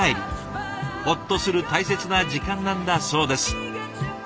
ホッとする大切な時間なんだそうです。